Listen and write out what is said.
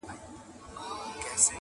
ځان بېغمه کړه د رېګ له زحمتونو،